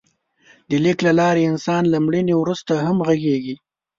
د لیک له لارې انسان له مړینې وروسته هم غږېږي.